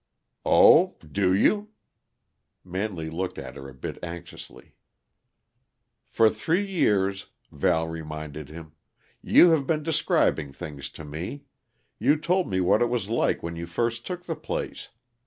"Oh! Do you?" Manley looked at her a bit anxiously. "For three years," Val reminded him, "you have been describing things to me. You told me what it was like when you first took the place.